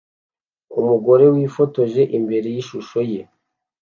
Umugore wifotoje imbere yishusho ye